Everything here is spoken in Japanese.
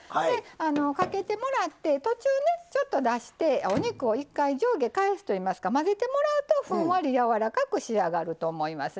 かけてもらって途中ねちょっと出してお肉を一回上下返すといいますか混ぜてもらうとふんわりやわらかく仕上がると思いますね。